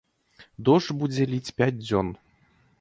Дождж будзе ліць пяць дзён!